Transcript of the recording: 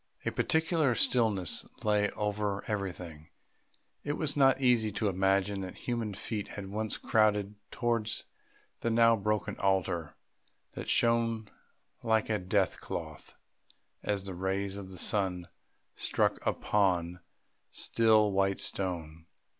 A peculiar stillness lay over everything; it was not easy to imagine that human feet had once crowded towards the now broken altar that shone like a death cloth as the rays of the sun struck upon the still white stone.